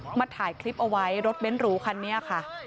มาถ่ายคลิปเอาไว้รถเบ้นหรูคันนี้ค่ะ